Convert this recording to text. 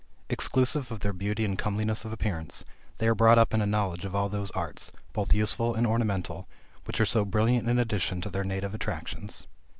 Exclusive of their beauty and comeliness of appearance, they are brought up in a knowledge of all those arts, both useful and ornamental, which are so brilliant an addition to their native attractions.